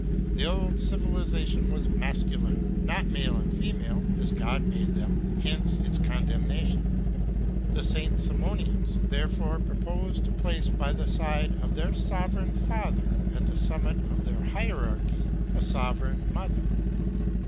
The old civilization was masculine, not male and female as God made man. Hence its condemnation. The Saint Simonians, therefore, proposed to place by the side of their sovereign Father at the summit of their hierarchy a sovereign Mother.